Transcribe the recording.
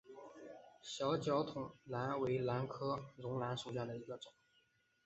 小脚筒兰为兰科绒兰属下的一个种。